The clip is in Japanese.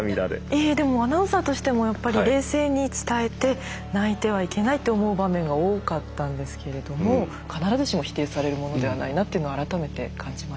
いえでもアナウンサーとしてもやっぱり冷静に伝えて泣いてはいけないって思う場面が多かったんですけれども必ずしも否定されるものではないなというのを改めて感じました。